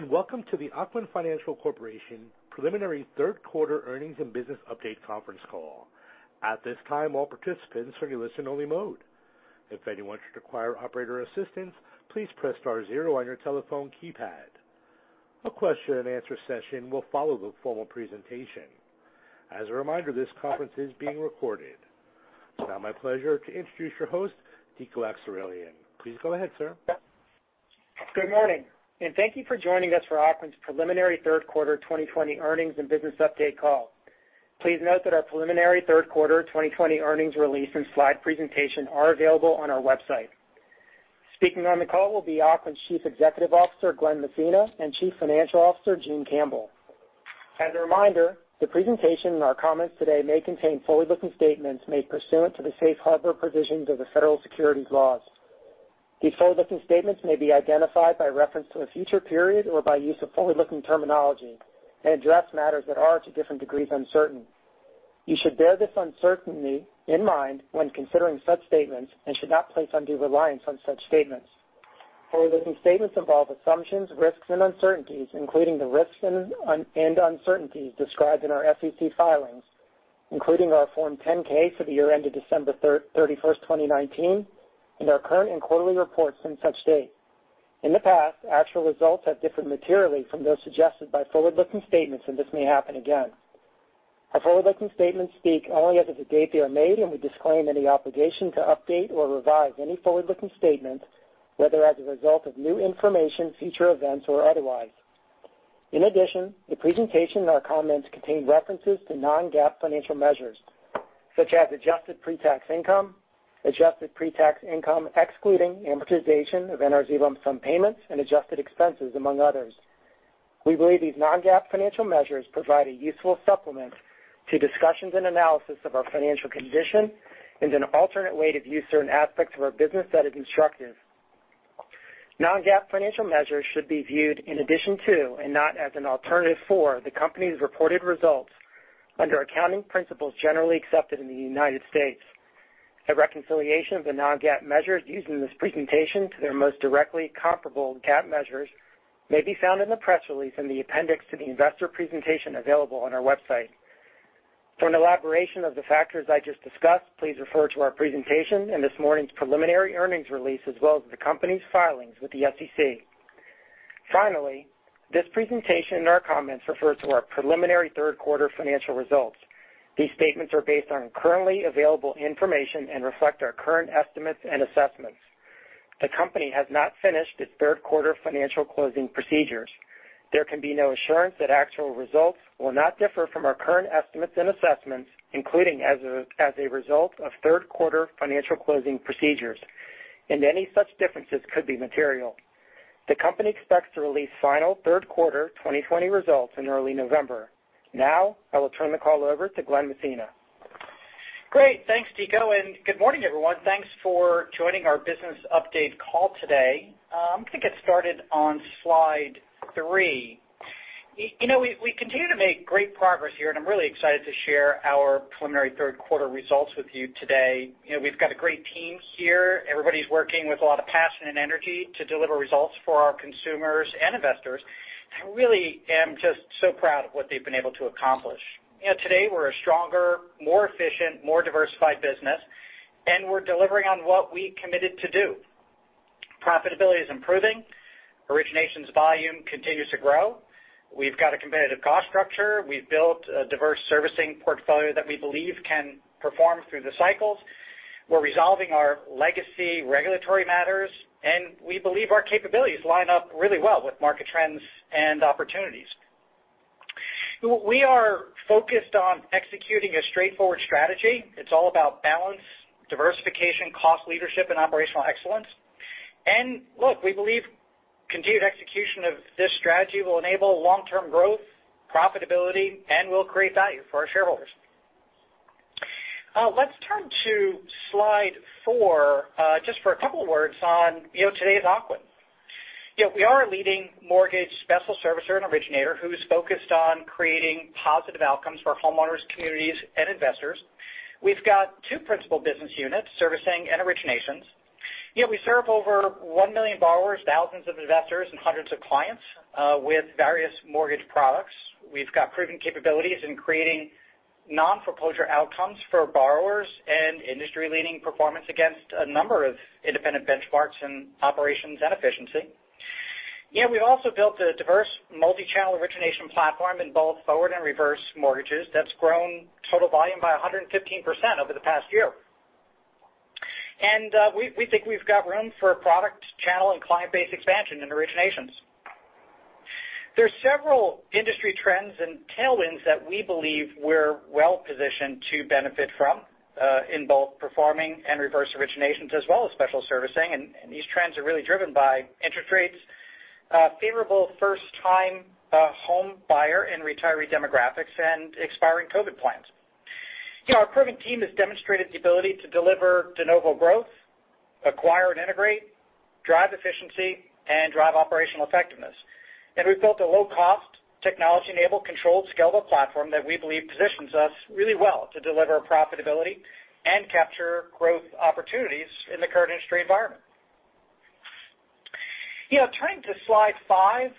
Hello, and Welcome to the Ocwen Financial Corporation preliminary third quarter earnings and business update conference call. At this time, all participants are in listen only mode. If anyone should require operator assistance, please press star zero on your telephone keypad. A question and answer session will follow the formal presentation. As a reminder, this conference is being recorded. It's now my pleasure to introduce your host, Dico Akseraylian. Please go ahead, sir. Good morning, and thank you for joining us for Ocwen's preliminary third quarter 2020 earnings and business update call. Please note that our preliminary third quarter 2020 earnings release and slide presentation are available on our website. Speaking on the call will be Ocwen's Chief Executive Officer, Glen Messina, and Chief Financial Officer, June Campbell. As a reminder, the presentation and our comments today may contain forward-looking statements made pursuant to the safe harbor provisions of the federal securities laws. These forward-looking statements may be identified by reference to a future period or by use of forward-looking terminology and address matters that are, to different degrees, uncertain. You should bear this uncertainty in mind when considering such statements and should not place undue reliance on such statements. Forward-looking statements involve assumptions, risks, and uncertainties, including the risks and uncertainties described in our SEC filings, including our Form 10-K for the year ended December 31st, 2019, and our current and quarterly reports since such date. In the past, actual results have differed materially from those suggested by forward-looking statements, and this may happen again. Our forward-looking statements speak only as of the date they are made, and we disclaim any obligation to update or revise any forward-looking statements, whether as a result of new information, future events, or otherwise. In addition, the presentation and our comments contain references to non-GAAP financial measures, such as adjusted pre-tax income, adjusted pre-tax income excluding amortization of NRZ lump-sum payments, and adjusted expenses, among others. We believe these non-GAAP financial measures provide a useful supplement to discussions and analysis of our financial condition and an alternate way to view certain aspects of our business that is instructive. Non-GAAP financial measures should be viewed in addition to and not as an alternative for the company's reported results under accounting principles generally accepted in the United States. A reconciliation of the non-GAAP measures used in this presentation to their most directly comparable GAAP measures may be found in the press release in the appendix to the investor presentation available on our website. For an elaboration of the factors I just discussed, please refer to our presentation in this morning's preliminary earnings release as well as the company's filings with the SEC. Finally, this presentation and our comments refer to our preliminary third quarter financial results. These statements are based on currently available information and reflect our current estimates and assessments. The company has not finished its third quarter financial closing procedures. There can be no assurance that actual results will not differ from our current estimates and assessments, including as a result of third quarter financial closing procedures, and any such differences could be material. The company expects to release final third quarter 2020 results in early November. Now, I will turn the call over to Glen Messina. Great. Thanks, Dico, good morning, everyone. Thanks for joining our business update call today. I'm going to get started on slide three. We continue to make great progress here, I'm really excited to share our preliminary third quarter results with you today. We've got a great team here. Everybody's working with a lot of passion and energy to deliver results for our consumers and investors. I really am just so proud of what they've been able to accomplish. Today, we're a stronger, more efficient, more diversified business, we're delivering on what we committed to do. Profitability is improving. Originations volume continues to grow. We've got a competitive cost structure. We've built a diverse servicing portfolio that we believe can perform through the cycles. We're resolving our legacy regulatory matters, we believe our capabilities line up really well with market trends and opportunities. We are focused on executing a straightforward strategy. It's all about balance, diversification, cost leadership, and operational excellence. Look, we believe continued execution of this strategy will enable long-term growth, profitability, and will create value for our shareholders. Let's turn to slide four just for a couple words on today's Ocwen. We are a leading mortgage special servicer and originator who's focused on creating positive outcomes for homeowners, communities, and investors. We've got two principal business units, servicing and originations. We serve over 1 million borrowers, thousands of investors, and hundreds of clients with various mortgage products. We've got proven capabilities in creating non-foreclosure outcomes for borrowers and industry-leading performance against a number of independent benchmarks in operations and efficiency. We've also built a diverse multi-channel origination platform in both forward and reverse mortgages that's grown total volume by 115% over the past year. We think we've got room for product, channel, and client base expansion in originations. There are several industry trends and tailwinds that we believe we're well-positioned to benefit from in both performing and reverse originations, as well as special servicing. These trends are really driven by interest rates, favorable 1st-time home buyer and retiree demographics, and expiring COVID plans. Our proven team has demonstrated the ability to deliver de novo growth, acquire and integrate, drive efficiency, and drive operational effectiveness. We've built a low-cost technology-enabled, controlled scalable platform that we believe positions us really well to deliver profitability and capture growth opportunities in the current industry environment. Turning to slide five,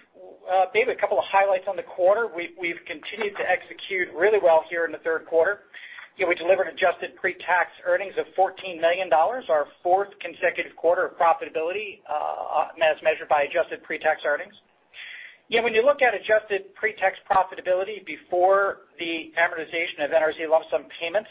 Dave, a couple of highlights on the quarter. We've continued to execute really well here in the third quarter. We delivered adjusted pre-tax earnings of $14 million, our fourth consecutive quarter of profitability as measured by adjusted pre-tax earnings. You look at adjusted pre-tax profitability before the amortization of NRZ lump sum payments,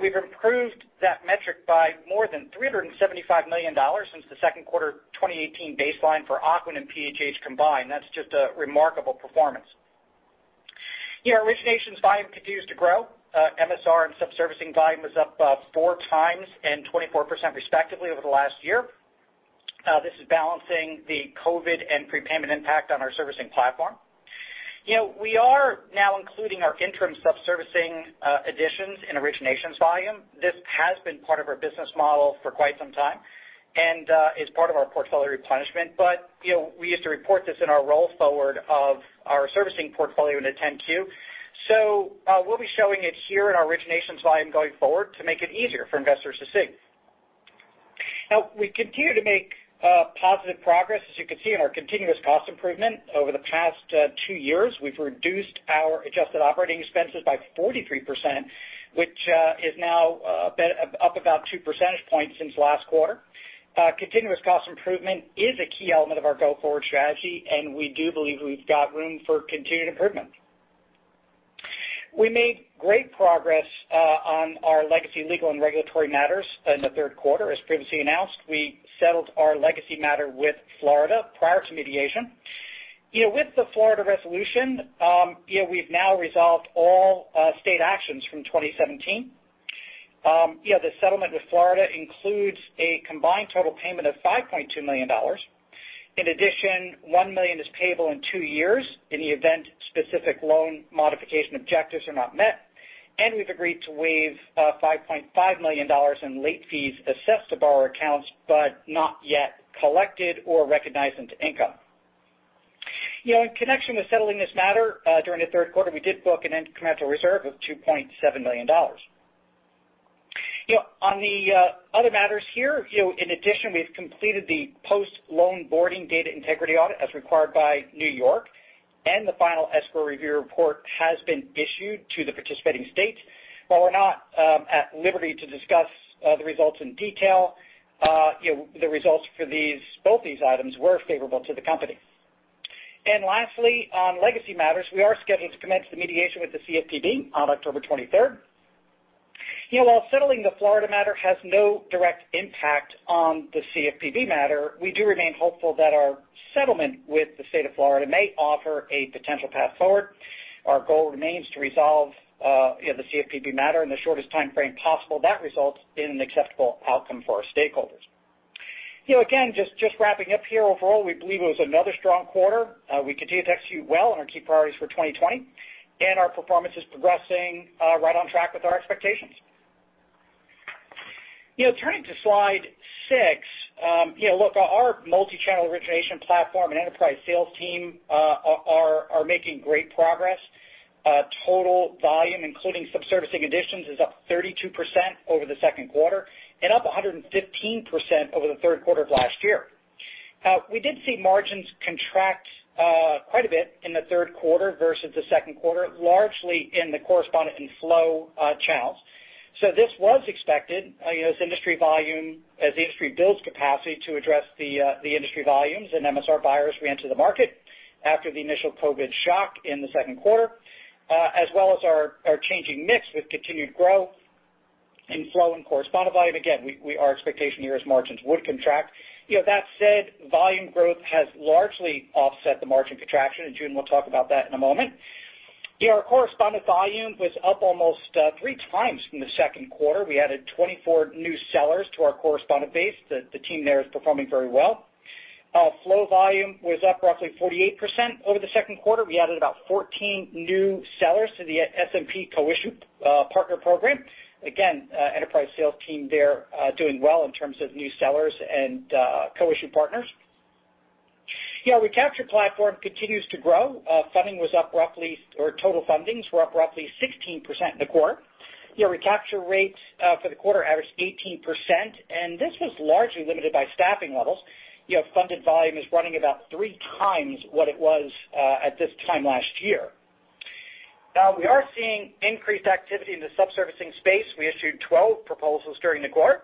we've improved that metric by more than $375 million since the second quarter of 2018 baseline for Ocwen and PHH combined. That's just a remarkable performance. Our originations volume continues to grow. MSR and subservicing volume was up 4x and 24% respectively over the last year. This is balancing the COVID and prepayment impact on our servicing platform. We are now including our interim subservicing additions in originations volume. This has been part of our business model for quite some time and is part of our portfolio replenishment. We used to report this in our roll forward of our servicing portfolio in the 10-Q. We'll be showing it here in our originations volume going forward to make it easier for investors to see. We continue to make positive progress, as you can see, on our continuous cost improvement. Over the past two years, we've reduced our adjusted operating expenses by 43%, which is now up about two percentage points since last quarter. Continuous cost improvement is a key element of our go-forward strategy, and we do believe we've got room for continued improvement. We made great progress on our legacy legal and regulatory matters in the third quarter. As previously announced, we settled our legacy matter with Florida prior to mediation. With the Florida resolution, we've now resolved all state actions from 2017. The settlement with Florida includes a combined total payment of $5.2 million. In addition, $1 million is payable in two years in the event specific loan modification objectives are not met, and we've agreed to waive $5.5 million in late fees assessed to borrower accounts, but not yet collected or recognized into income. In connection with settling this matter, during the third quarter, we did book an incremental reserve of $2.7 million. On the other matters here, in addition, we've completed the post-loan boarding data integrity audit as required by New York, and the final escrow review report has been issued to the participating states. While we're not at liberty to discuss the results in detail, the results for both these items were favorable to the company. Lastly, on legacy matters, we are scheduled to commence the mediation with the CFPB on October 23rd. While settling the Florida matter has no direct impact on the CFPB matter, we do remain hopeful that our settlement with the state of Florida may offer a potential path forward. Our goal remains to resolve the CFPB matter in the shortest timeframe possible that results in an acceptable outcome for our stakeholders. Just wrapping up here. Overall, we believe it was another strong quarter. We continue to execute well on our key priorities for 2020, and our performance is progressing right on track with our expectations. Turning to slide six. Look, our multi-channel origination platform and enterprise sales team are making great progress. Total volume, including subservicing additions, is up 32% over the second quarter and up 115% over the third quarter of last year. We did see margins contract quite a bit in the third quarter versus the second quarter, largely in the correspondent and flow channels. This was expected as the industry builds capacity to address the industry volumes and MSR buyers reenter the market after the initial COVID shock in the second quarter, as well as our changing mix with continued growth in flow and correspondent volume. Again, our expectation here is margins would contract. That said, volume growth has largely offset the margin contraction, and June will talk about that in a moment. Our correspondent volume was up almost 3x from the second quarter. We added 24 new sellers to our correspondent base. The team there is performing very well. Flow volume was up roughly 48% over the second quarter. We added about 14 new sellers to the SMP co-issue partner program. Again, enterprise sales team there doing well in terms of new sellers and co-issue partners. Our recapture platform continues to grow. Total fundings were up roughly 16% in the quarter. Our recapture rates for the quarter averaged 18%, and this was largely limited by staffing levels. Funded volume is running about 3x what it was at this time last year. We are seeing increased activity in the subservicing space. We issued 12 proposals during the quarter,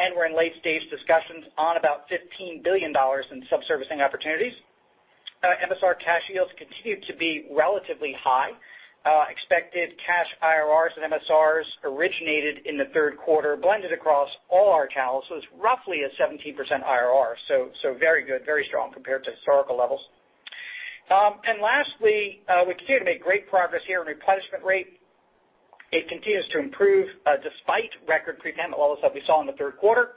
and we're in late-stage discussions on about $15 billion in subservicing opportunities. MSR cash yields continue to be relatively high. Expected cash IRRs and MSRs originated in the third quarter blended across all our channels was roughly a 17% IRR. Very good, very strong compared to historical levels. Lastly, we continue to make great progress here in replenishment rate. It continues to improve despite record prepayment levels that we saw in the third quarter.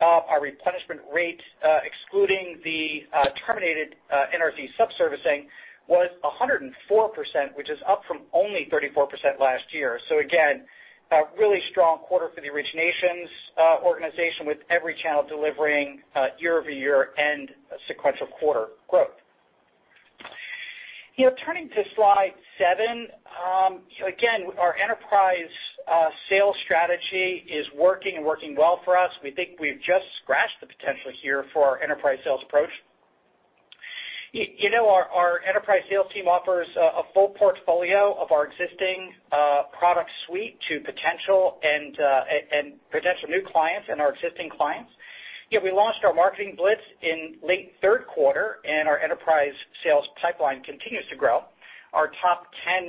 Our replenishment rate, excluding the terminated NRZ subservicing, was 104%, which is up from only 34% last year. Again, a really strong quarter for the originations organization, with every channel delivering year-over-year and sequential quarter growth. Turning to slide seven. Again, our enterprise sales strategy is working and working well for us. We think we've just scratched the potential here for our enterprise sales approach. Our enterprise sales team offers a full portfolio of our existing product suite to potential new clients and our existing clients. We launched our marketing blitz in late third quarter, and our enterprise sales pipeline continues to grow. Our top 10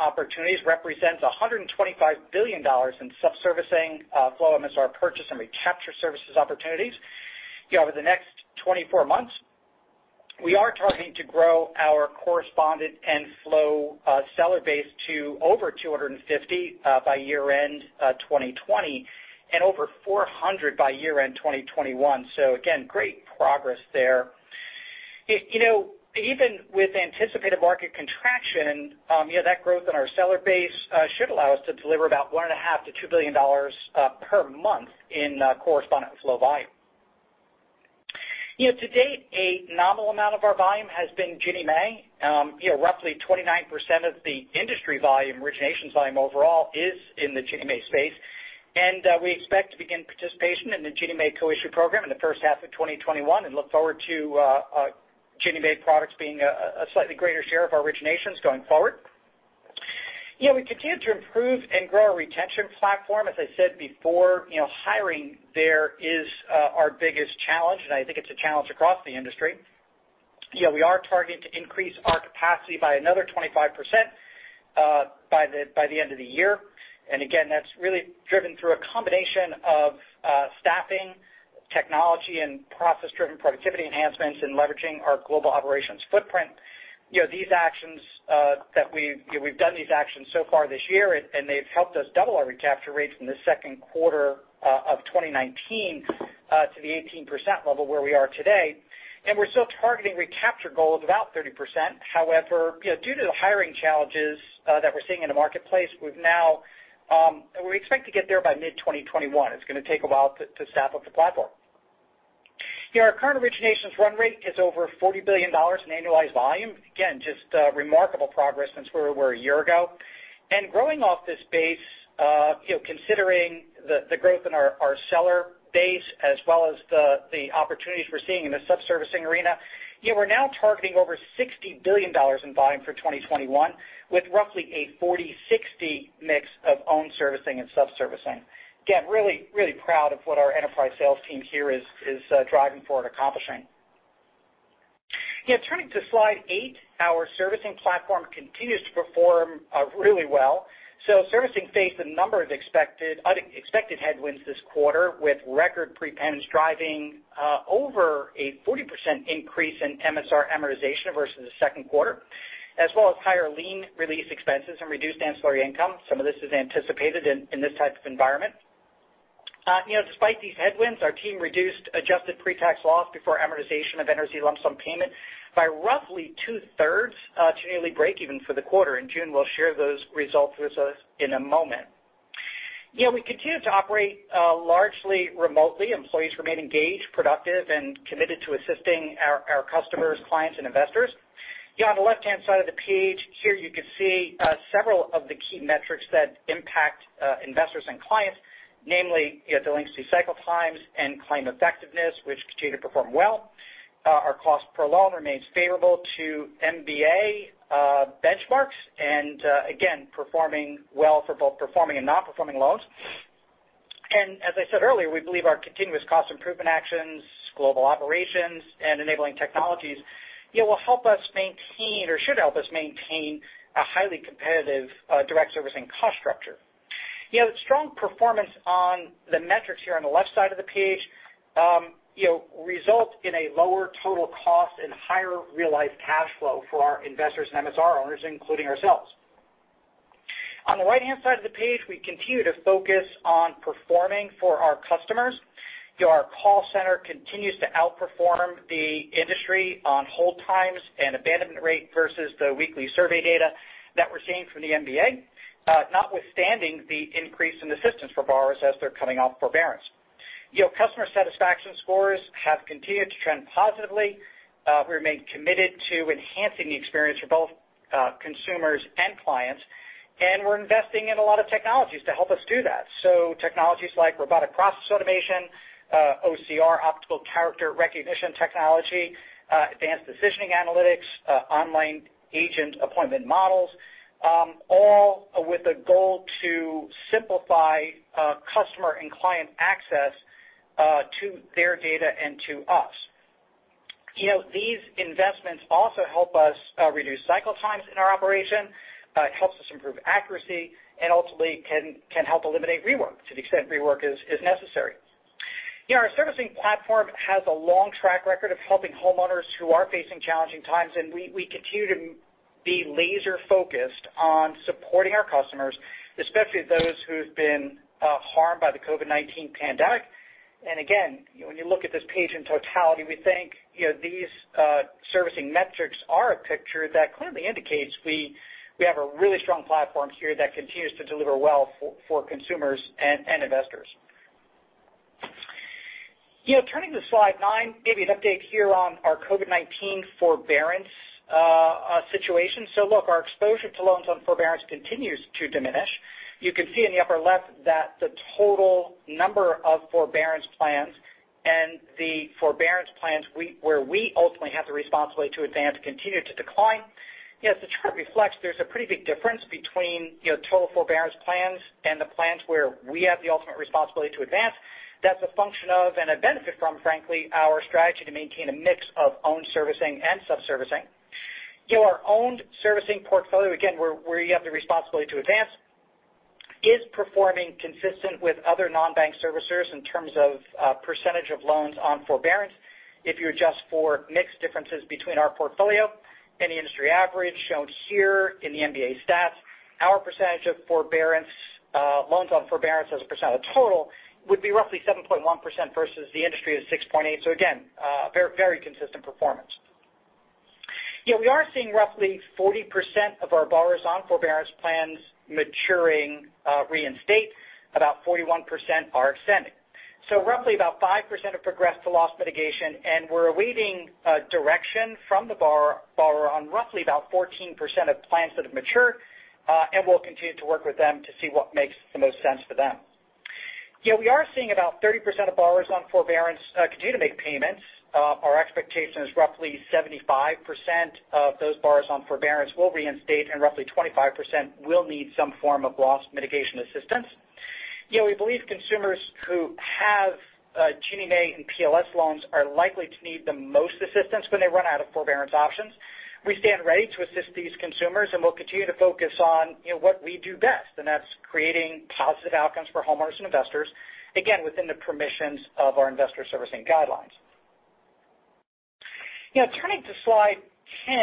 opportunities represents $125 billion in sub-servicing flow MSR purchase and recapture services opportunities. Over the next 24 months, we are targeting to grow our correspondent and flow seller base to over 250 by year-end 2020, and over 400 by year-end 2021. Again, great progress there. Even with anticipated market contraction, that growth in our seller base should allow us to deliver about $1.5 billion-$2 billion per month in correspondent flow volume. To date, a nominal amount of our volume has been Ginnie Mae. Roughly 29% of the industry volume, originations volume overall is in the Ginnie Mae space. We expect to begin participation in the Ginnie Mae co-issue program in the first half of 2021 and look forward to Ginnie Mae products being a slightly greater share of our originations going forward. We continue to improve and grow our retention platform. As I said before, hiring there is our biggest challenge, and I think it's a challenge across the industry. We are targeting to increase our capacity by another 25% by the end of the year. Again, that's really driven through a combination of staffing, technology, and process-driven productivity enhancements and leveraging our global operations footprint. We've done these actions so far this year, and they've helped us double our recapture rate from the second quarter of 2019 to the 18% level where we are today. We're still targeting recapture goals of about 30%. However, due to the hiring challenges that we're seeing in the marketplace, we expect to get there by mid-2021. It's going to take a while to staff up the platform. Our current originations run rate is over $40 billion in annualized volume. Again, just remarkable progress since where we were a year ago. Growing off this base, considering the growth in our seller base as well as the opportunities we're seeing in the sub-servicing arena, we're now targeting over $60 billion in volume for 2021, with roughly a 40-60 mix of own servicing and sub-servicing. Really proud of what our enterprise sales team here is driving forward and accomplishing. Turning to slide eight, our servicing platform continues to perform really well. Servicing faced a number of unexpected headwinds this quarter, with record prepayments driving over a 40% increase in MSR amortization versus the second quarter, as well as higher lien release expenses and reduced ancillary income. Some of this is anticipated in this type of environment. Despite these headwinds, our team reduced adjusted pre-tax loss before amortization of NRZ lump sum payment by roughly two-thirds to nearly breakeven for the quarter. In June, we'll share those results with us in a moment. We continue to operate largely remotely. Employees remain engaged, productive, and committed to assisting our customers, clients, and investors. On the left-hand side of the page, here you can see several of the key metrics that impact investors and clients, namely delinquency cycle times and claim effectiveness, which continue to perform well. Our cost per loan remains favorable to MBA benchmarks and again, performing well for both performing and non-performing loans. As I said earlier, we believe our continuous cost improvement actions, global operations, and enabling technologies will help us maintain, or should help us maintain a highly competitive direct servicing cost structure. Strong performance on the metrics here on the left side of the page result in a lower total cost and higher realized cash flow for our investors and MSR owners, including ourselves. On the right-hand side of the page, we continue to focus on performing for our customers. Our call center continues to outperform the industry on hold times and abandonment rate versus the weekly survey data that we're seeing from the MBA, notwithstanding the increase in assistance for borrowers as they're coming off forbearance. Customer satisfaction scores have continued to trend positively. We remain committed to enhancing the experience for both consumers and clients, and we're investing in a lot of technologies to help us do that. Technologies like robotic process automation, OCR, optical character recognition technology, advanced decisioning analytics, online agent appointment models, all with a goal to simplify customer and client access to their data and to us. These investments also help us reduce cycle times in our operation, helps us improve accuracy, and ultimately can help eliminate rework to the extent rework is necessary. Our servicing platform has a long track record of helping homeowners who are facing challenging times, and we continue to be laser-focused on supporting our customers, especially those who've been harmed by the COVID-19 pandemic. Again, when you look at this page in totality, we think these servicing metrics are a picture that clearly indicates we have a really strong platform here that continues to deliver well for consumers and investors. Turning to slide nine, maybe an update here on our COVID-19 forbearance situation. Look, our exposure to loans on forbearance continues to diminish. You can see in the upper left that the total number of forbearance plans and the forbearance plans where we ultimately have the responsibility to advance, continue to decline. As the chart reflects, there's a pretty big difference between total forbearance plans and the plans where we have the ultimate responsibility to advance. That's a function of and a benefit from, frankly, our strategy to maintain a mix of owned servicing and sub-servicing. Our owned servicing portfolio, again, where you have the responsibility to advance, is performing consistent with other non-bank servicers in terms of percentage of loans on forbearance. If you adjust for mix differences between our portfolio and the industry average shown here in the MBA stats, our percent of forbearance, loans on forbearance as a percent of total would be roughly 7.1% versus the industry is 6.8%. Again, very consistent performance. We are seeing roughly 40% of our borrowers on forbearance plans maturing reinstate. About 41% are extending. Roughly about 5% have progressed to loss mitigation, and we're awaiting direction from the borrower on roughly about 14% of plans that have matured, and we'll continue to work with them to see what makes the most sense for them. We are seeing about 30% of borrowers on forbearance continue to make payments. Our expectation is roughly 75% of those borrowers on forbearance will reinstate, and roughly 25% will need some form of loss mitigation assistance. We believe consumers who have Ginnie Mae and PLS loans are likely to need the most assistance when they run out of forbearance options. We stand ready to assist these consumers, and we'll continue to focus on what we do best, and that's creating positive outcomes for homeowners and investors, again, within the permissions of our investor servicing guidelines. Turning to slide 10,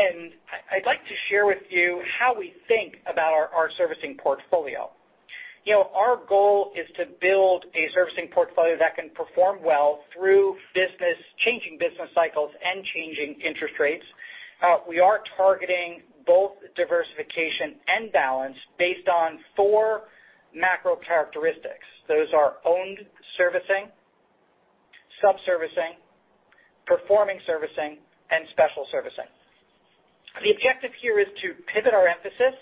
I'd like to share with you how we think about our servicing portfolio. Our goal is to build a servicing portfolio that can perform well through changing business cycles and changing interest rates. We are targeting both diversification and balance based on four macro characteristics. Those are owned servicing, sub-servicing, performing servicing, and special servicing. The objective here is to pivot our emphasis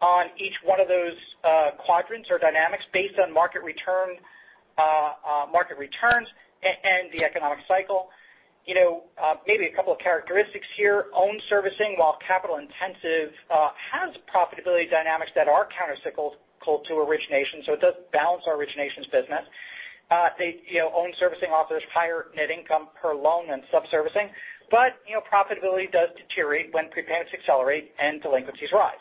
on each one of those quadrants or dynamics based on market returns and the economic cycle. Maybe a couple of characteristics here. Owned servicing, while capital intensive has profitability dynamics that are countercyclical to origination. It does balance our originations business. Owned servicing offers higher net income per loan than sub-servicing, but profitability does deteriorate when prepayments accelerate and delinquencies rise.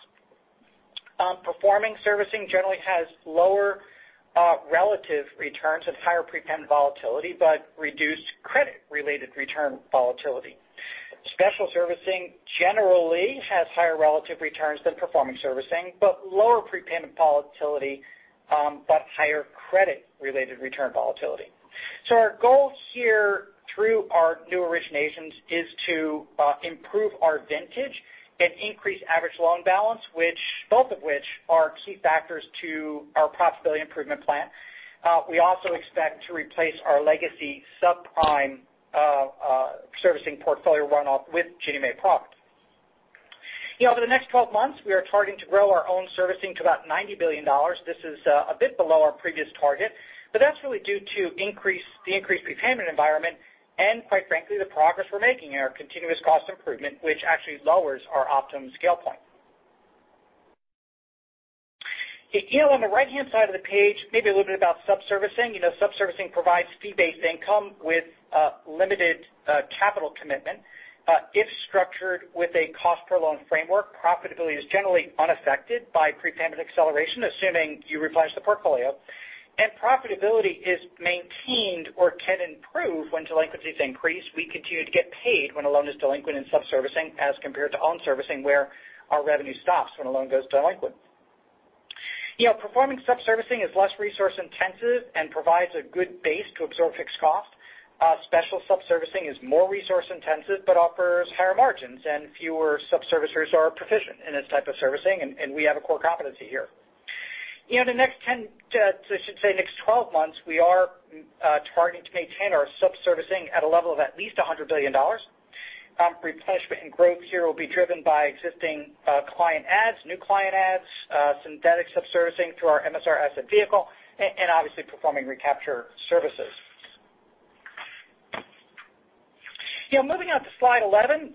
Performing servicing generally has lower relative returns and higher prepayment volatility, but reduced credit-related return volatility. Special servicing generally has higher relative returns than performing servicing, but lower prepayment volatility, but higher credit-related return volatility. Our goal here through our new originations is to improve our vintage and increase average loan balance, both of which are key factors to our profitability improvement plan. We also expect to replace our legacy subprime servicing portfolio runoff with Ginnie Mae product. Over the next 12 months, we are targeting to grow our own servicing to about $90 billion. This is a bit below our previous target, but that's really due to the increased prepayment environment and quite frankly, the progress we're making in our continuous cost improvement, which actually lowers our optimum scale point. On the right-hand side of the page, maybe a little bit about sub-servicing. Sub-servicing provides fee-based income with limited capital commitment. If structured with a cost per loan framework, profitability is generally unaffected by prepayment acceleration, assuming you replenish the portfolio. Profitability is maintained or can improve when delinquencies increase. We continue to get paid when a loan is delinquent in sub-servicing as compared to own servicing, where our revenue stops when a loan goes delinquent. Performing sub-servicing is less resource intensive and provides a good base to absorb fixed cost. Special sub-servicing is more resource intensive but offers higher margins, and fewer sub-servicers are proficient in this type of servicing, and we have a core competency here. The next 10, I should say next 12 months, we are targeting to maintain our sub-servicing at a level of at least $100 billion. Replenishment and growth here will be driven by existing client adds, new client adds, synthetic sub-servicing through our MSR asset vehicle, and obviously performing recapture services. Moving on to slide 11.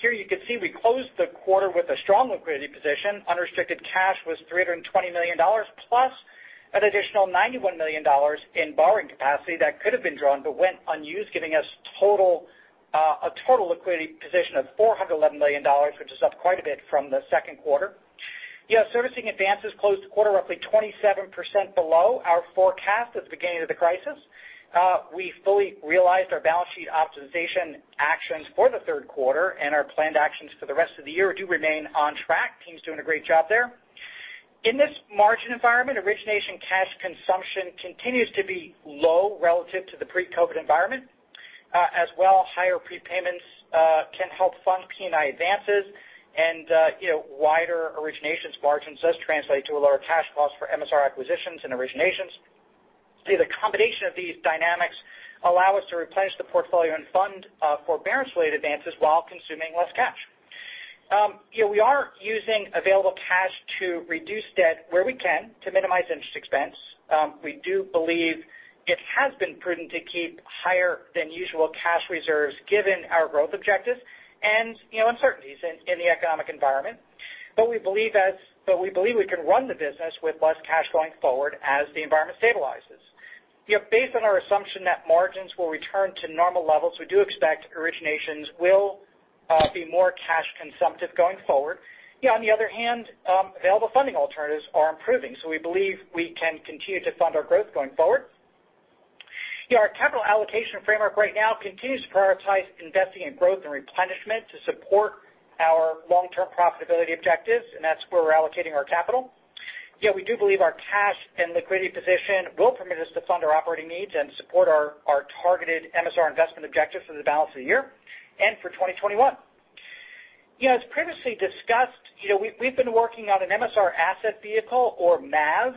Here you can see we closed the quarter with a strong liquidity position. Unrestricted cash was $320 million, plus an additional $91 million in borrowing capacity that could have been drawn but went unused, giving us a total liquidity position of $411 million, which is up quite a bit from the second quarter. Servicing advances closed the quarter roughly 27% below our forecast at the beginning of the crisis. We fully realized our balance sheet optimization actions for the third quarter and our planned actions for the rest of the year do remain on track. Team's doing a great job there. In this margin environment, origination cash consumption continues to be low relative to the pre-COVID environment. As well, higher prepayments can help fund P&I advances and wider originations margins does translate to a lower cash cost for MSR acquisitions and originations. The combination of these dynamics allow us to replenish the portfolio and fund forbearance-related advances while consuming less cash. We are using available cash to reduce debt where we can to minimize interest expense. We do believe it has been prudent to keep higher than usual cash reserves given our growth objectives and uncertainties in the economic environment. We believe we can run the business with less cash going forward as the environment stabilizes. Based on our assumption that margins will return to normal levels, we do expect originations will be more cash-consumptive going forward. On the other hand, available funding alternatives are improving, so we believe we can continue to fund our growth going forward. Our capital allocation framework right now continues to prioritize investing in growth and replenishment to support our long-term profitability objectives, and that's where we're allocating our capital. We do believe our cash and liquidity position will permit us to fund our operating needs and support our targeted MSR investment objectives for the balance of the year and for 2021. As previously discussed, we've been working on an MSR asset vehicle, or MAV,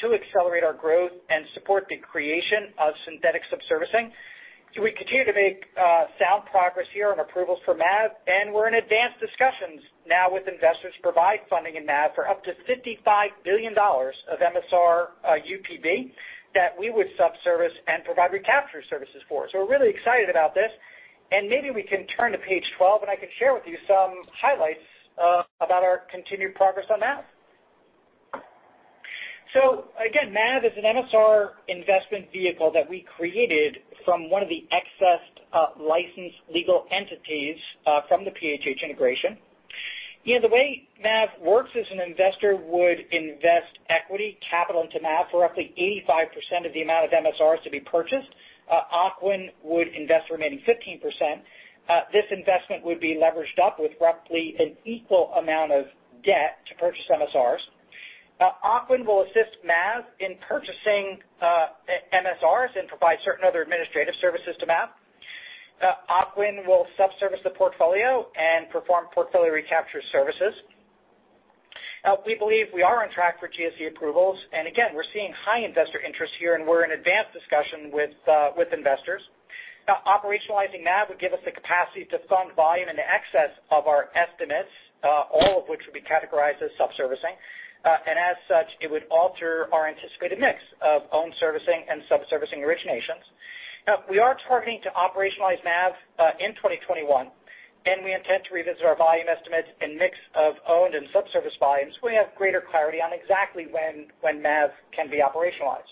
to accelerate our growth and support the creation of synthetic subservicing. We continue to make sound progress here on approvals for MAV, We're in advanced discussions now with investors to provide funding in MAV for up to $55 billion of MSR UPB that we would subservice and provide recapture services for. We're really excited about this. Maybe we can turn to page 12, I can share with you some highlights about our continued progress on MAV. Again, MAV is an MSR investment vehicle that we created from one of the excess licensed legal entities from the PHH integration. The way MAV works is an investor would invest equity capital into MAV for roughly 85% of the amount of MSRs to be purchased. Ocwen would invest the remaining 15%. This investment would be leveraged up with roughly an equal amount of debt to purchase MSRs. Ocwen will assist MAV in purchasing MSRs and provide certain other administrative services to MAV. Ocwen will subservice the portfolio and perform portfolio recapture services. We believe we are on track for GSE approvals. Again, we're seeing high investor interest here, and we're in advanced discussion with investors. Operationalizing MAV would give us the capacity to fund volume in excess of our estimates, all of which would be categorized as sub-servicing. As such, it would alter our anticipated mix of own servicing and subservicing originations. We are targeting to operationalize MAV in 2021, and we intend to revisit our volume estimates and mix of owned and subservice volumes so we have greater clarity on exactly when MAV can be operationalized.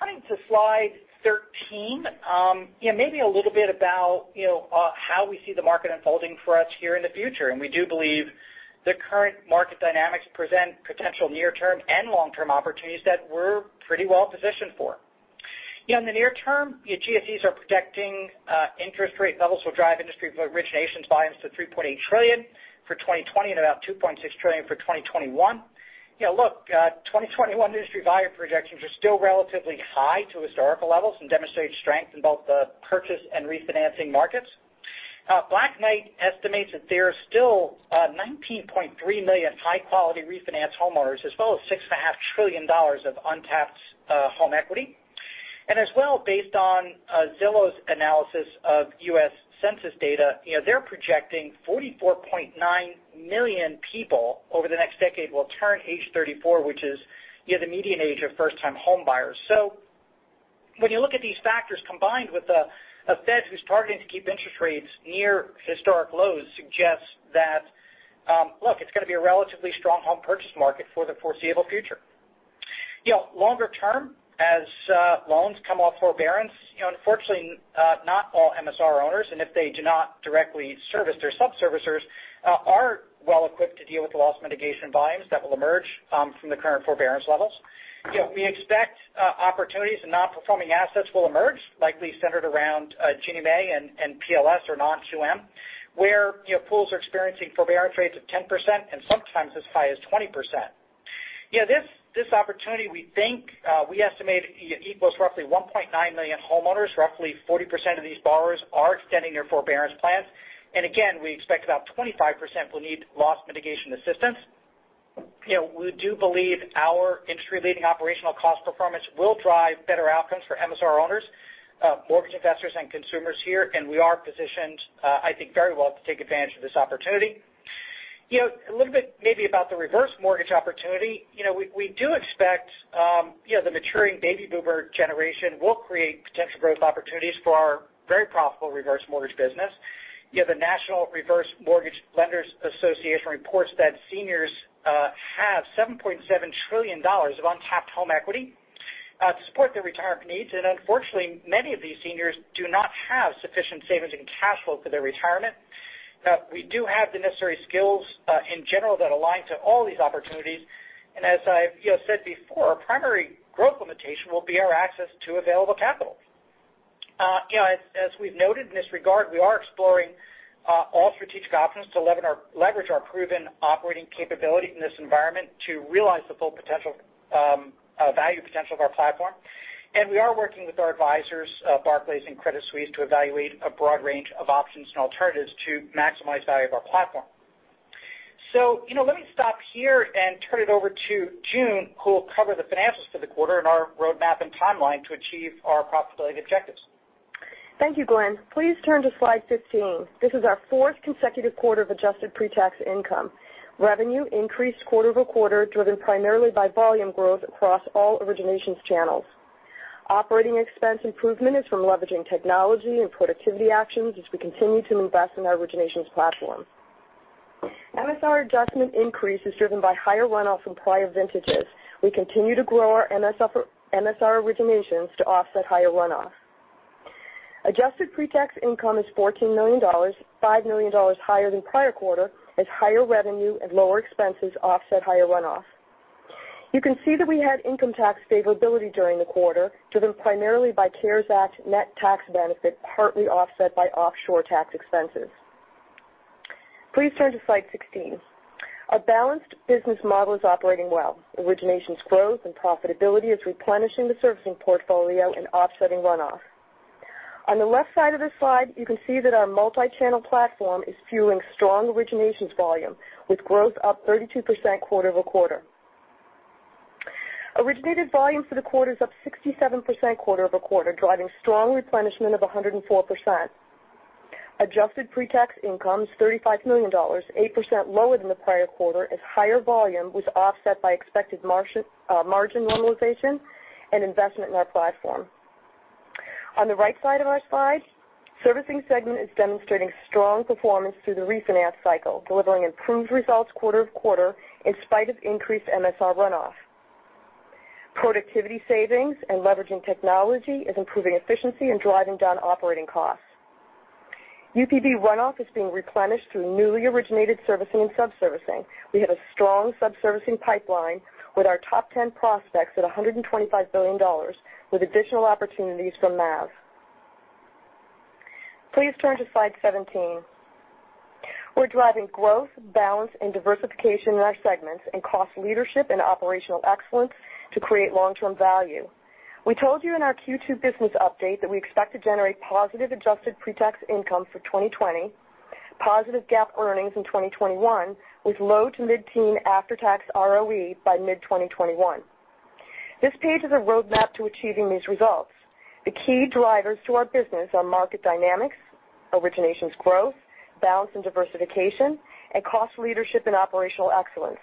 Turning to slide 13. Maybe a little bit about how we see the market unfolding for us here in the future. We do believe the current market dynamics present potential near-term and long-term opportunities that we're pretty well positioned for. In the near term, GSEs are projecting interest rate levels will drive industry originations volumes to $3.8 trillion for 2020 and about $2.6 trillion for 2021. Look, 2021 industry volume projections are still relatively high to historical levels and demonstrate strength in both the purchase and refinancing markets. Black Knight estimates that there are still 19.3 million high-quality refinance homeowners, as well as $6.5 trillion of untapped home equity. As well, based on Zillow's analysis of U.S. Census data, they're projecting 44.9 million people over the next decade will turn age 34, which is the median age of first-time home buyers. When you look at these factors combined with a Fed who's targeting to keep interest rates near historic lows suggests that, look, it's going to be a relatively strong home purchase market for the foreseeable future. Longer term, as loans come off forbearance, unfortunately, not all MSR owners, and if they do not directly service their sub servicers, are well equipped to deal with the loss mitigation volumes that will emerge from the current forbearance levels. We expect opportunities in non-performing assets will emerge, likely centered around Ginnie Mae and PLS or non-QM, where pools are experiencing forbearance rates of 10% and sometimes as high as 20%. This opportunity we think, we estimate equals roughly 1.9 million homeowners. Roughly 40% of these borrowers are extending their forbearance plans. Again, we expect about 25% will need loss mitigation assistance. We do believe our industry-leading operational cost performance will drive better outcomes for MSR owners, mortgage investors, and consumers here. We are positioned, I think, very well to take advantage of this opportunity. A little bit maybe about the reverse mortgage opportunity. We do expect the maturing baby boomer generation will create potential growth opportunities for our very profitable reverse mortgage business. The National Reverse Mortgage Lenders Association reports that seniors have $7.7 trillion of untapped home equity to support their retirement needs. Unfortunately, many of these seniors do not have sufficient savings and cash flow for their retirement. We do have the necessary skills in general that align to all these opportunities. As I've said before, primary growth limitation will be our access to available capital. As we've noted in this regard, we are exploring all strategic options to leverage our proven operating capability in this environment to realize the full value potential of our platform. We are working with our advisors, Barclays and Credit Suisse, to evaluate a broad range of options and alternatives to maximize value of our platform. Let me stop here and turn it over to June, who will cover the financials for the quarter and our roadmap and timeline to achieve our profitability objectives. Thank you, Glen. Please turn to slide 15. This is our 4th consecutive quarter of adjusted pre-tax income. Revenue increased quarter-over-quarter, driven primarily by volume growth across all originations channels. Operating expense improvement is from leveraging technology and productivity actions as we continue to invest in our originations platform. MSR adjustment increase is driven by higher runoff from prior vintages. We continue to grow our MSR originations to offset higher runoff. Adjusted pre-tax income is $14 million, $5 million higher than prior quarter as higher revenue and lower expenses offset higher runoff. You can see that we had income tax favorability during the quarter, driven primarily by CARES Act net tax benefit, partly offset by offshore tax expenses. Please turn to slide 16. Our balanced business model is operating well. Originations growth and profitability is replenishing the servicing portfolio and offsetting runoff. On the left side of this slide, you can see that our multi-channel platform is fueling strong originations volume, with growth up 32% quarter-over-quarter. Originated volume for the quarter is up 67% quarter-over-quarter, driving strong replenishment of 104%. Adjusted pre-tax income is $35 million, 8% lower than the prior quarter as higher volume was offset by expected margin normalization and investment in our platform. On the right side of our slide, servicing segment is demonstrating strong performance through the refinance cycle, delivering improved results quarter-over-quarter in spite of increased MSR runoff. Productivity savings and leveraging technology is improving efficiency and driving down operating costs. UPB runoff is being replenished through newly originated servicing and sub-servicing. We have a strong sub-servicing pipeline with our top 10 prospects at $125 billion with additional opportunities from MAV. Please turn to slide 17. We're driving growth, balance, and diversification in our segments and cost leadership and operational excellence to create long-term value. We told you in our Q2 business update that we expect to generate positive adjusted pre-tax income for 2020, positive GAAP earnings in 2021 with low to mid-teen after-tax ROE by mid-2021. This page is a roadmap to achieving these results. The key drivers to our business are market dynamics, originations growth, balance and diversification, and cost leadership and operational excellence.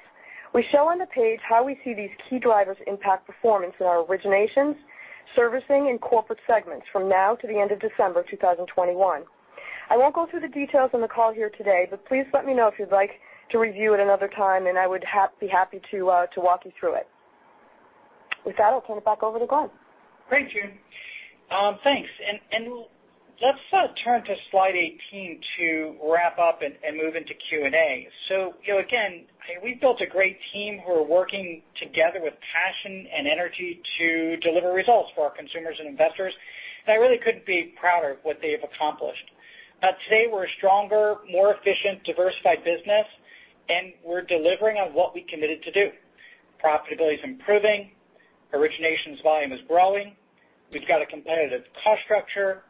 We show on the page how we see these key drivers impact performance in our originations, servicing, and corporate segments from now to the end of December 2021. I won't go through the details on the call here today, but please let me know if you'd like to review at another time, and I would be happy to walk you through it. With that, I'll turn it back over to Glen. Great, June. Thanks. Let's turn to slide 18 to wrap up and move into Q&A. Again, we've built a great team who are working together with passion and energy to deliver results for our consumers and investors. I really couldn't be prouder of what they have accomplished. Today we're a stronger, more efficient, diversified business, and we're delivering on what we committed to do. Profitability is improving. Originations volume is growing. We've got a competitive cost structure.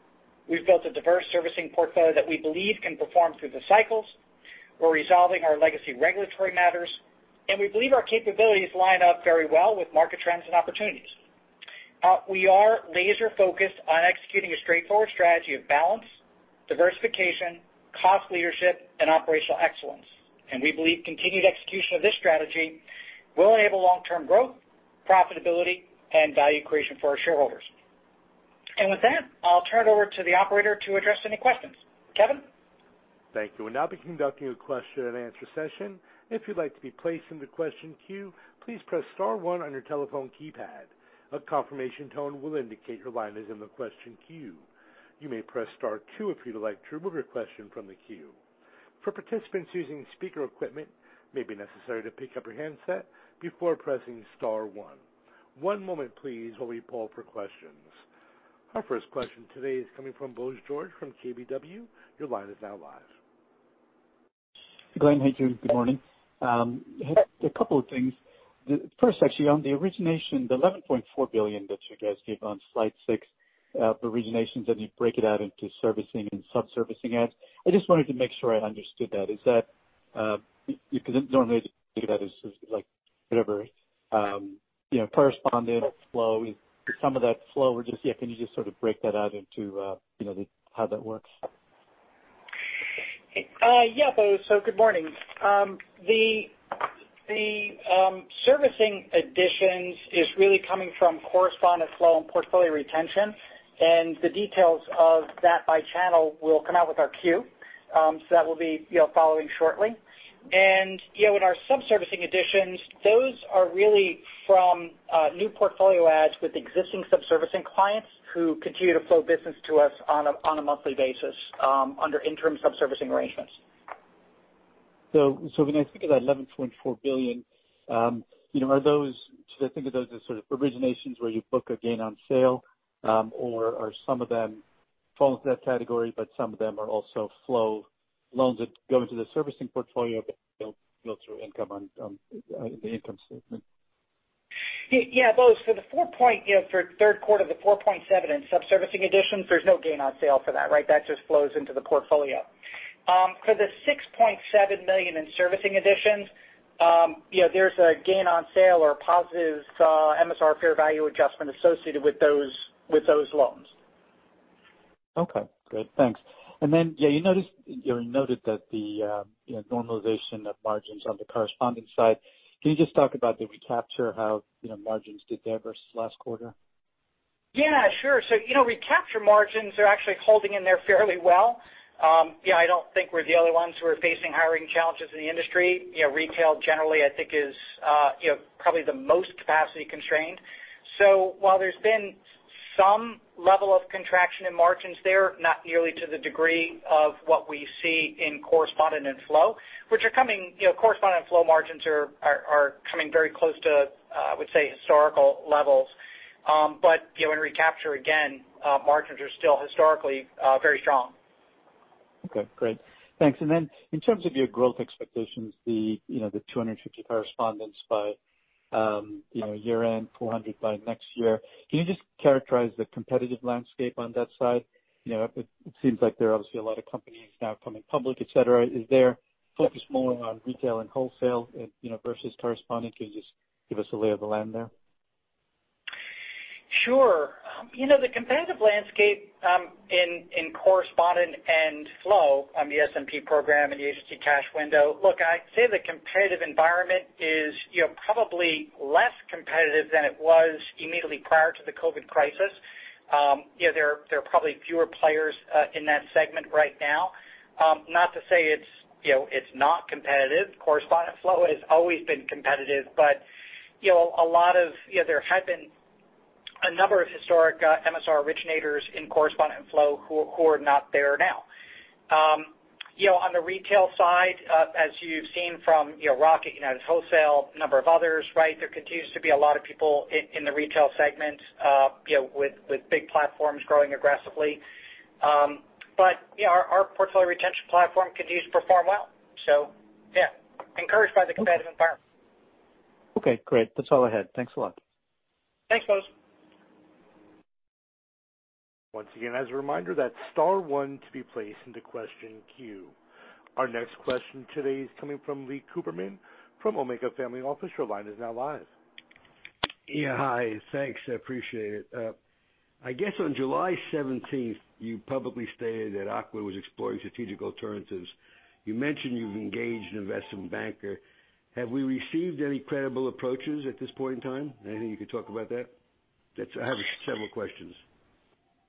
We've built a diverse servicing portfolio that we believe can perform through the cycles. We're resolving our legacy regulatory matters, and we believe our capabilities line up very well with market trends and opportunities. We are laser-focused on executing a straightforward strategy of balance, diversification, cost leadership, and operational excellence. We believe continued execution of this strategy will enable long-term growth, profitability, and value creation for our shareholders. With that, I'll turn it over to the operator to address any questions. Kevin? Thank you. We'll now be conducting a question and answer session. Our 1st question today is coming from Bose George from KBW. Your line is now live. Glen, hey, June, good morning. Hey. A couple of things. 1st, actually, on the origination, the $11.4 billion that you guys gave on slide six, originations, and you break it out into servicing and sub-servicing adds. I just wanted to make sure I understood that. Normally I just think of that as like whatever correspondent flow. Some of that flow, can you just sort of break that out into how that works? Yeah, Bose. Good morning. The servicing additions is really coming from correspondent flow and portfolio retention, and the details of that by channel will come out with our Q. That will be following shortly. In our sub-servicing additions, those are really from new portfolio adds with existing sub-servicing clients who continue to flow business to us on a monthly basis under interim sub-servicing arrangements. When I think of that $11.4 billion, should I think of those as sort of originations where you book a gain on sale? Are some of them fall into that category, but some of them are also flow loans that go into the servicing portfolio but they'll flow through income on the income statement? Yeah, Bose, for third quarter, the $4.7 in subservicing additions, there's no gain on sale for that, right? That just flows into the portfolio. For the $6.7 million in servicing additions, there's a gain on sale or a positive MSR fair value adjustment associated with those loans. Okay, great. Thanks. You noted that the normalization of margins on the corresponding side. Can you just talk about the recapture, how margins did there versus last quarter? Yeah, sure. Recapture margins are actually holding in there fairly well. I don't think we're the only ones who are facing hiring challenges in the industry. Retail generally, I think is probably the most capacity constrained. While there's been some level of contraction in margins there, not nearly to the degree of what we see in correspondent and flow. Correspondent flow margins are coming very close to, I would say, historical levels. In recapture again, margins are still historically very strong. Okay, great. Thanks. In terms of your growth expectations, the 250 correspondents by year-end, 400 by next year. Can you just characterize the competitive landscape on that side? It seems like there are obviously a lot of companies now coming public, et cetera. Is their focus more on retail and wholesale versus correspondent? Can you just give us a lay of the land there? Sure. The competitive landscape in correspondent and flow on the SMP program and the HT Cash window. I'd say the competitive environment is probably less competitive than it was immediately prior to the COVID crisis. There are probably fewer players in that segment right now. Not to say it's not competitive. Correspondent flow has always been competitive, there have been a number of historic MSR originators in correspondent flow who are not there now. On the retail side, as you've seen from Rocket, United Wholesale Mortgage, a number of others, there continues to be a lot of people in the retail segment with big platforms growing aggressively. Our portfolio retention platform continues to perform well. Yeah, encouraged by the competitive environment. Okay, great. That's all I had. Thanks a lot. Thanks, Bose. Once again, as a reminder, that's star one to be placed into question queue. Our next question today is coming from Lee Cooperman from Omega Family Office. Your line is now live. Yeah, hi. Thanks. I appreciate it. I guess on July 17th, you publicly stated that Ocwen was exploring strategic alternatives. You mentioned you've engaged an investment banker. Have we received any credible approaches at this point in time? Anything you could talk about that? I have several questions. Sure,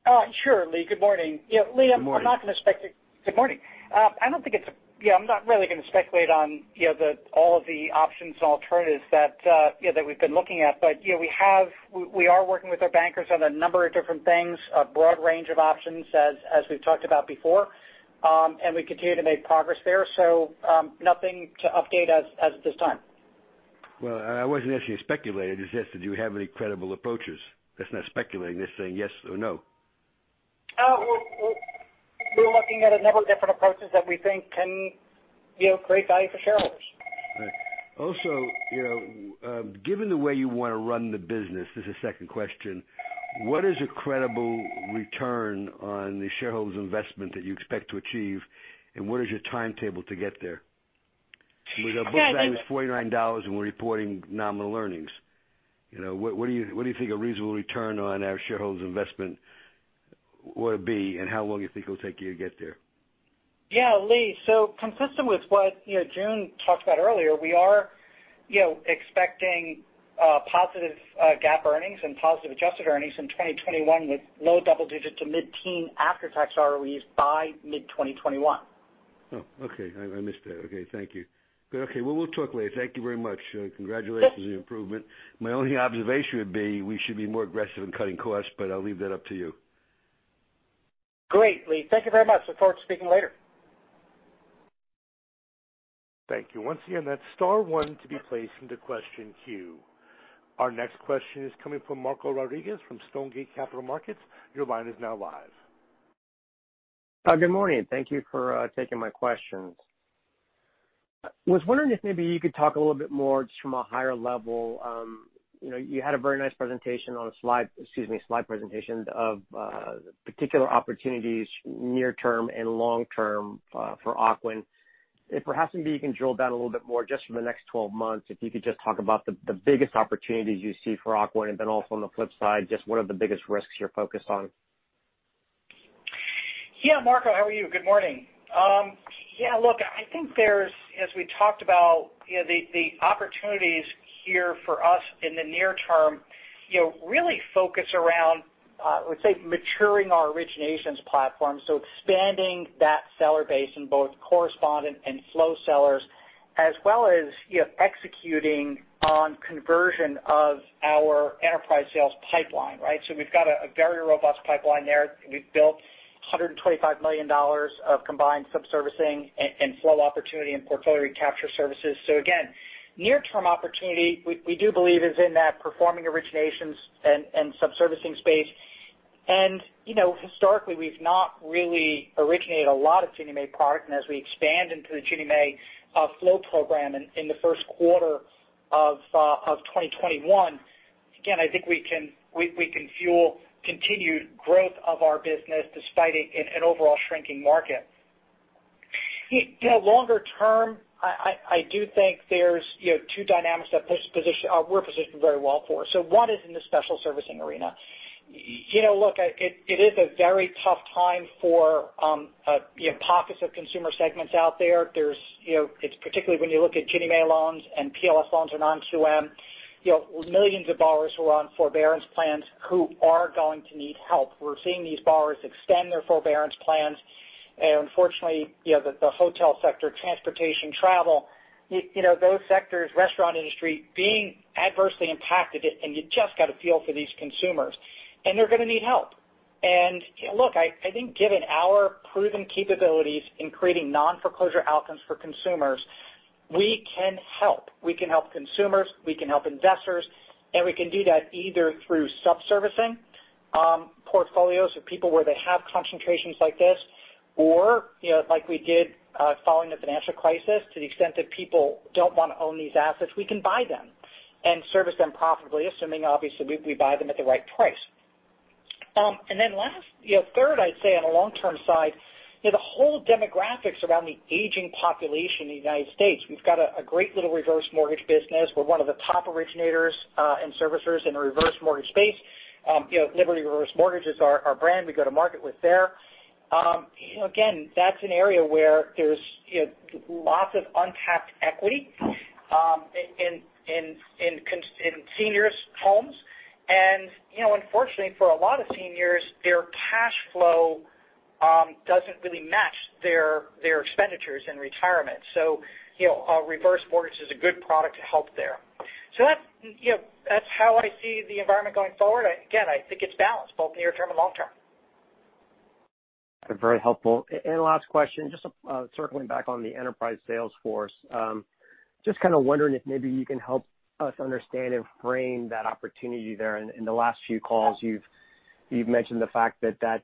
Lee. Good morning. Good morning. Good morning. I'm not really going to speculate on all of the options and alternatives that we've been looking at. We are working with our bankers on a number of different things, a broad range of options as we've talked about before. We continue to make progress there. Nothing to update as of this time. Well, I wasn't asking you to speculate. It's just that do you have any credible approaches? That's not speculating. That's saying yes or no. We're looking at a number of different approaches that we think can create value for shareholders. Right. Given the way you want to run the business, this is the 2nd question, what is a credible return on the shareholders' investment that you expect to achieve, and what is your timetable to get there? Sure. With our book value $49 and we're reporting nominal earnings, what do you think a reasonable return on our shareholders' investment would be, and how long you think it'll take you to get there? Yeah, Lee. Consistent with what June talked about earlier, we are expecting positive GAAP earnings and positive adjusted earnings in 2021 with low double-digit to mid-teen after-tax ROEs by mid-2021. Oh, okay. I missed that. Okay, thank you. Good. Okay. Well, we'll talk later. Thank you very much. Sure. Congratulations on the improvement. My only observation would be we should be more aggressive in cutting costs. I'll leave that up to you. Great, Lee. Thank you very much. Look forward to speaking later. Thank you. Once again, that's star one to be placed into question queue. Our next question is coming from Marco Rodriguez from Stonegate Capital Markets. Your line is now live. Good morning. Thank you for taking my questions. I was wondering if maybe you could talk a little bit more just from a higher level. You had a very nice slide presentation of particular opportunities near term and long term for Ocwen. If perhaps, maybe you can drill down a little bit more just for the next 12 months, if you could just talk about the biggest opportunities you see for Ocwen, and then also on the flip side, just what are the biggest risks you're focused on? Yeah, Marco, how are you? Good morning. Look, I think as we talked about the opportunities here for us in the near term really focus around, I would say, maturing our originations platform. Expanding that seller base in both correspondent and flow sellers as well as executing on conversion of our enterprise sales pipeline. We've got a very robust pipeline there. We've built $125 million of combined subservicing and flow opportunity and portfolio recapture services. Again, near-term opportunity, we do believe is in that performing originations and subservicing space. Historically, we've not really originated a lot of Ginnie Mae product, and as we expand into the Ginnie Mae flow program in the first quarter of 2021, again, I think we can fuel continued growth of our business despite an overall shrinking market. Longer term, I do think there's two dynamics that we're positioned very well for. One is in the special servicing arena. Look, it is a very tough time for pockets of consumer segments out there. It's particularly when you look at Ginnie Mae loans and PLS loans that are non-QM. Millions of borrowers who are on forbearance plans who are going to need help. We're seeing these borrowers extend their forbearance plans. Unfortunately, the hotel sector, transportation, travel, those sectors, restaurant industry, being adversely impacted, and you just got to feel for these consumers. They're going to need help. Look, I think given our proven capabilities in creating non-foreclosure outcomes for consumers, we can help. We can help consumers, we can help investors, and we can do that either through subservicing portfolios for people where they have concentrations like this. Like we did following the financial crisis, to the extent that people don't want to own these assets, we can buy them and service them profitably, assuming obviously we buy them at the right price. Last, 3rd, I'd say on the long-term side, the whole demographics around the aging population in the United States. We've got a great little reverse mortgage business. We're one of the top originators and servicers in the reverse mortgage space. Liberty Reverse Mortgage is our brand we go to market with there. Again, that's an area where there's lots of untapped equity in seniors' homes. Unfortunately for a lot of seniors, their cash flow doesn't really match their expenditures in retirement. A reverse mortgage is a good product to help there. That's how I see the environment going forward. Again, I think it's balanced both near-term and long-term. Very helpful. Last question, just circling back on the enterprise sales force. Just kind of wondering if maybe you can help us understand and frame that opportunity there. In the last few calls, you've mentioned the fact that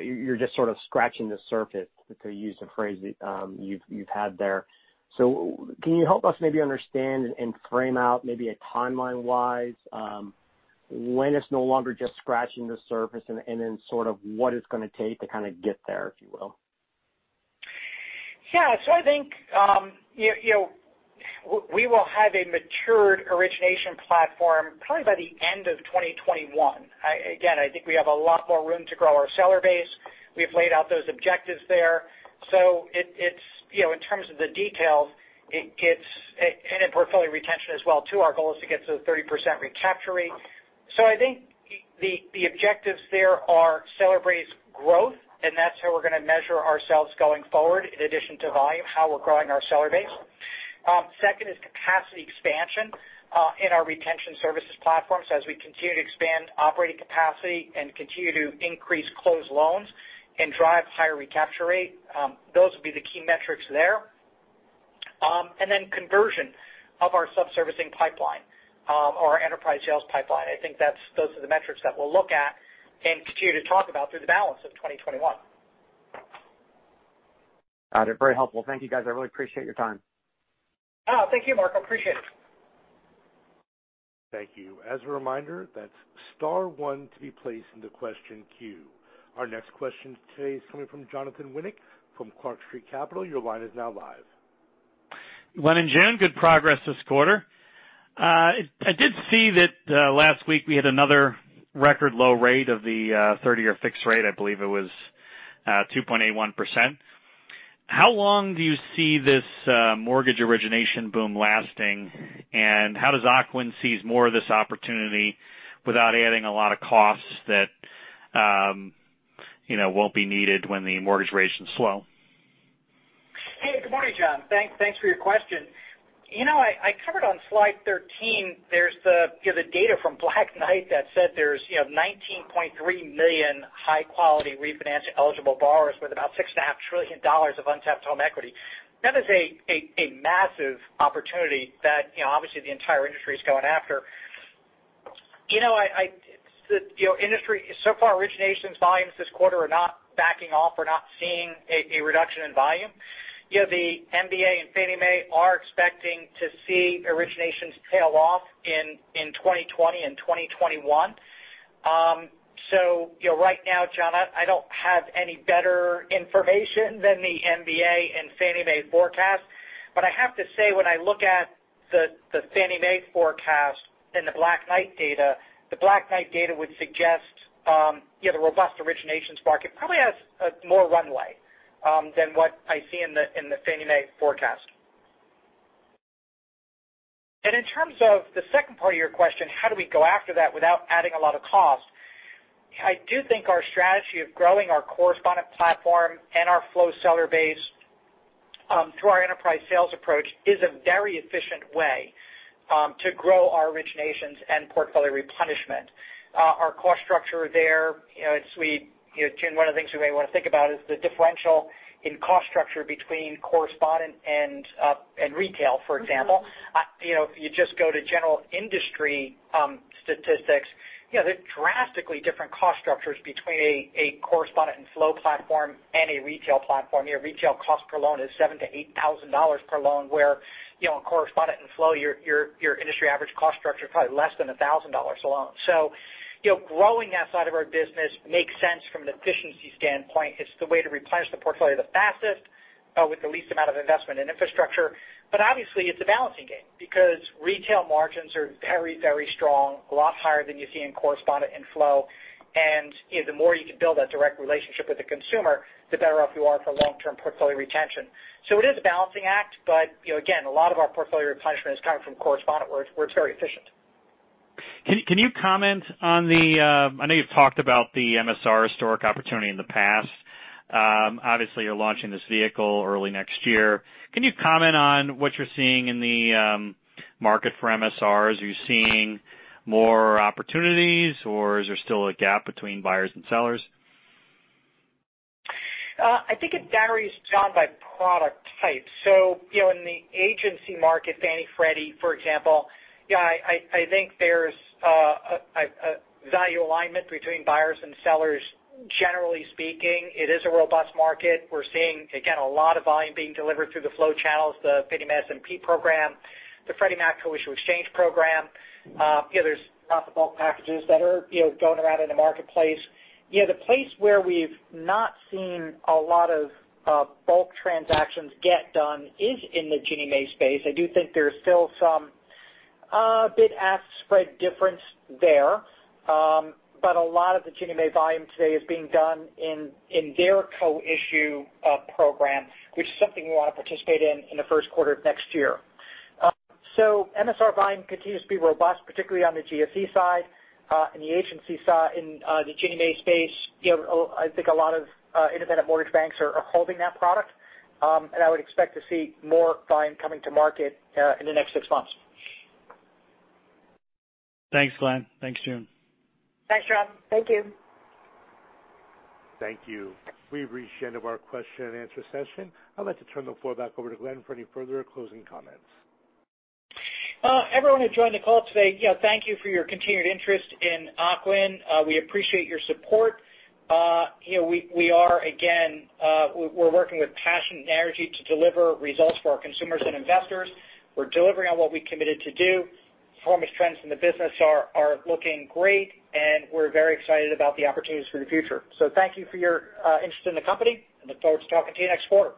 you're just sort of scratching the surface, to use the phrase that you've had there. Can you help us maybe understand and frame out maybe a timeline-wise when it's no longer just scratching the surface, and then sort of what it's going to take to kind of get there, if you will? Yeah. I think we will have a matured origination platform probably by the end of 2021. Again, I think we have a lot more room to grow our seller base. We've laid out those objectives there. In terms of the details, and in portfolio retention as well too, our goal is to get to the 30% recapture rate. I think the objectives there are seller base growth, and that's how we're going to measure ourselves going forward in addition to volume, how we're growing our seller base. 2nd is capacity expansion in our retention services platforms. As we continue to expand operating capacity and continue to increase closed loans and drive higher recapture rate. Those will be the key metrics there. Then conversion of our subservicing pipeline or our enterprise sales pipeline. I think those are the metrics that we'll look at and continue to talk about through the balance of 2021. Got it. Very helpful. Thank you, guys. I really appreciate your time. Oh, thank you, Marco. I appreciate it. Thank you. As a reminder, that's star one to be placed into question queue. Our next question today is coming from Jonathan Winick from Clark Street Capital. Your line is now live. Glen and June, good progress this quarter. I did see that last week we had another record low rate of the 30-year fixed rate. I believe it was 2.81%. How long do you see this mortgage origination boom lasting, and how does Ocwen seize more of this opportunity without adding a lot of costs that won't be needed when the mortgage rates slow? Hey, good morning, John. Thanks for your question. I covered on slide 13, there's the data from Black Knight that said there's 19.3 million high-quality refinance eligible borrowers with about $6.5 trillion of untapped home equity. That is a massive opportunity that obviously the entire industry is going after. So far, originations volumes this quarter are not backing off. We're not seeing a reduction in volume. The MBA and Fannie Mae are expecting to see originations tail off in 2020 and 2021. Right now, John, I don't have any better information than the MBA and Fannie Mae forecast. I have to say, when I look at the Fannie Mae forecast and the Black Knight data, the Black Knight data would suggest the robust originations market probably has more runway than what I see in the Fannie Mae forecast. In terms of the 2nd part of your question, how do we go after that without adding a lot of cost? I do think our strategy of growing our correspondent platform and our flow seller base through our enterprise sales approach is a very efficient way to grow our originations and portfolio replenishment. Our cost structure there, June, one of the things you may want to think about is the differential in cost structure between correspondent and retail, for example. If you just go to general industry statistics, there's drastically different cost structures between a correspondent and flow platform and a retail platform. Your retail cost per loan is $7,000-$8,000 per loan, where in correspondent and flow, your industry average cost structure is probably less than $1,000 a loan. Growing that side of our business makes sense from an efficiency standpoint. It's the way to replenish the portfolio the fastest with the least amount of investment in infrastructure. Obviously, it's a balancing game because retail margins are very, very strong, a lot higher than you see in correspondent and flow. The more you can build that direct relationship with the consumer, the better off you are for long-term portfolio retention. It is a balancing act, but again, a lot of our portfolio replenishment is coming from correspondent, where it's very efficient. I know you've talked about the MSR historic opportunity in the past. Obviously, you're launching this vehicle early next year. Can you comment on what you're seeing in the market for MSRs? Are you seeing more opportunities, or is there still a gap between buyers and sellers? I think it varies, John, by product type. In the agency market, Fannie Freddie, for example, I think there's a value alignment between buyers and sellers. Generally speaking, it is a robust market. We're seeing, again, a lot of volume being delivered through the flow channels, the Fannie Mae SMP program, the Freddie Mac Co-Issue XChange program. There's lots of bulk packages that are going around in the marketplace. The place where we've not seen a lot of bulk transactions get done is in the Ginnie Mae space. I do think there's still some bid-ask spread difference there. A lot of the Ginnie Mae volume today is being done in their co-issue program, which is something we want to participate in in the first quarter of next year. MSR volume continues to be robust, particularly on the GSE side and the agency side. In the Ginnie Mae space, I think a lot of independent mortgage banks are holding that product. I would expect to see more volume coming to market in the next six months. Thanks, Glen. Thanks, June. Thanks, John. Thank you. Thank you. We've reached the end of our question and answer session. I'd like to turn the floor back over to Glen for any further closing comments. Everyone who joined the call today, thank you for your continued interest in Ocwen. We appreciate your support. We're working with passion and energy to deliver results for our consumers and investors. We're delivering on what we committed to do. Performance trends in the business are looking great, and we're very excited about the opportunities for the future. Thank you for your interest in the company, and look forward to talking to you next quarter.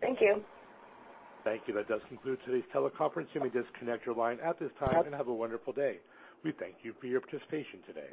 Thank you. Thank you. That does conclude today's teleconference. You may disconnect your line at this time and have a wonderful day. We thank you for your participation today.